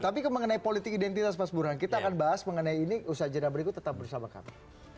tapi mengenai politik identitas mas burhan kita akan bahas mengenai ini usaha jadwal berikut tetap bersama kami